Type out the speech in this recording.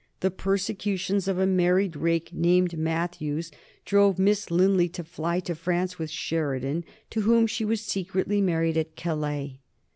The persecutions of a married rake named Matthews drove Miss Linley to fly to France with Sheridan, to whom she was secretly married at Calais.